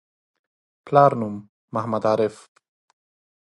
پلار نوم: محمد عارف